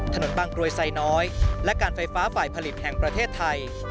บางกรวยไซน้อยและการไฟฟ้าฝ่ายผลิตแห่งประเทศไทย